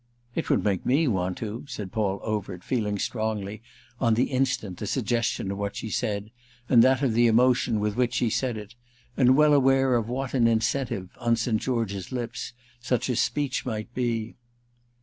"It would make me want to," said Paul Overt, feeling strongly, on the instant, the suggestion of what she said and that of the emotion with which she said it, and well aware of what an incentive, on St. George's lips, such a speech might be.